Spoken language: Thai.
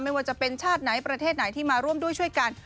ไม่ว่าจะเป็นชาติไหนประเทศไหนที่มาร่วมด้วยช่วยกัน